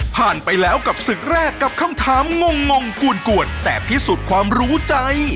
ไปแล้วกับศึกแรกกับคำถามงงกวนแต่พิสูจน์ความรู้ใจ